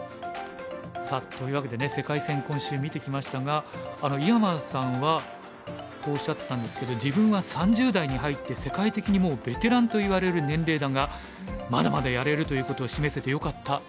さあというわけでね世界戦今週見てきましたが井山さんはこうおっしゃってたんですけど「自分は３０代に入って世界的にもうベテランといわれる年齢だがまだまだやれるということを示せてよかった」